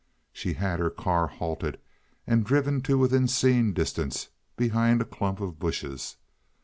She had her car halted and driven to within seeing distance behind a clump of bushes.